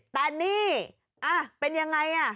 แต่นี่เออเป็นอย่างไร